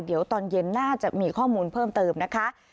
เดี๋ยวตอนเย็นน่าจะมีข้อมูลเพิ่มเติมนะคะ